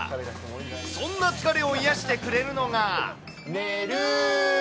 そんな疲れを癒やしてくれるのが。